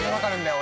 俺